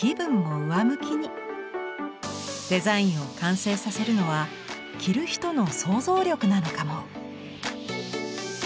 デザインを完成させるのは着る人の想像力なのかも。